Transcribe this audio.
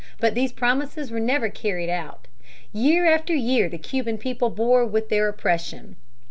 But these promises were never carried out. Year after year the Cuban people bore with their oppression.